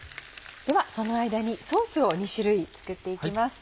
ではその間にソースを２種類作って行きます。